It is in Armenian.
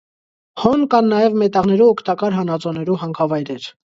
Հոն կան նաեւ մետաղներու օգտակար հանածոներու հանքավայրեր։